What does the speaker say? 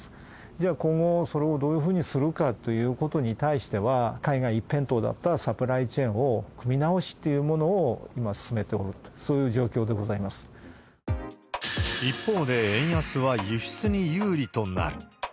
じゃあ、今後それをどういうふうにするかということに対しては、海外一辺倒だったサプライチェーンの組み直しというものを今、進めておる、一方で、円安は輸出に有利となる。